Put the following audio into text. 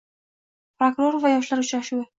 Prokuror va yoshlar uchrashuvi